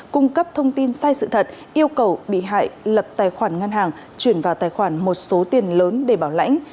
cung cấp thông tin sai sự thật yêu cầu bị hại lập tài khoản ngân hàng chuyển vào tài khoản một số tiền lớn để bảo lãnh